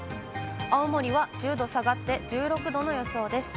青森は１０度下がって１６度の予想です。